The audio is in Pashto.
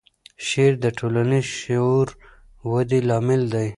شعر د ټولنیز شعور ودې لامل دی.